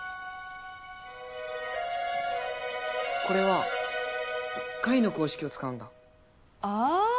これは解の公式を使うんだあ！